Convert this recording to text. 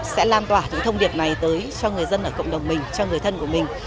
sẽ lan tỏa những thông điệp này tới cho người dân ở cộng đồng mình cho người thân của mình